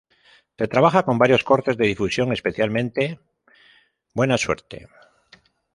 Se trabaja con varios cortes de difusión, especialmente "Buena suerte!